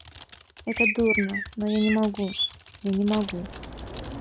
Это дурно, но я не могу, я не могу.